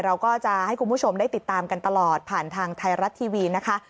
เราก็จะให้คุณผู้ชมได้ติดตามกันตลอดผ่านทางไทยรัฐทีวีนะคะ